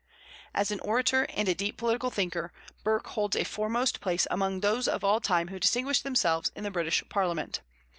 As an orator and a deep political thinker, Burke holds a foremost place among those of all time who distinguished themselves in the British parliament.